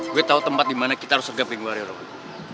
gue tau tempat dimana kita harus ngegapin warior mon